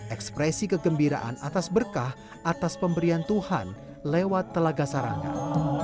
ekspresi kegembiraan atas berkah atas pemberian tuhan lewat telaga sarangan